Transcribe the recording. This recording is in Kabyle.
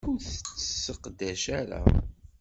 Ur tt-tesseqdac ara.